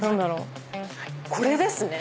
これですね。